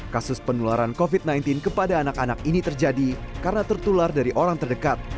kasus penularan covid sembilan belas kepada anak anak ini terjadi karena tertular dari orang terdekat